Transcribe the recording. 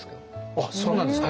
あっそうなんですか？